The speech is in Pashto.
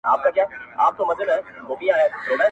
• د انصاف په تله خپل او پردي واړه ..